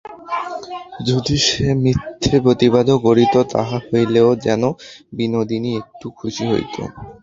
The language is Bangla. যদি সে মিথ্যা প্রতিবাদও করিত, তাহা হইলেও যেন বিনোদিনী একটু খুশি হইত।